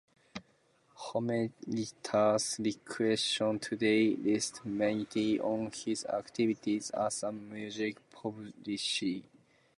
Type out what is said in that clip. Hoffmeister's reputation today rests mainly on his activities as a music publisher.